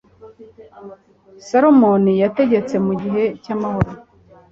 salomoni yategetse mu gihe cy'amahoro